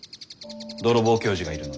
泥棒教授がいるのに。